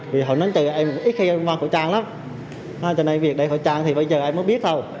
vì việc đeo khẩu trang thì bây giờ em không biết đâu